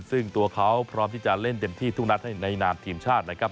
ซึ่งตัวเขาพร้อมที่จะเล่นเต็มที่ทุกนัดให้ในนามทีมชาตินะครับ